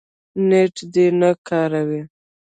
نېټ دې نه کاروي